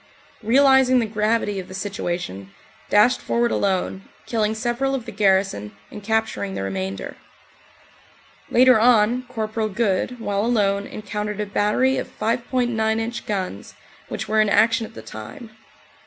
realising the gravity of the situation, dashed forward alone, killing several of the garrison and capturing the remainder. Later on, Cpl. Good, while alone, encountered a battery of 5.9 inch guns, which were in action at the time.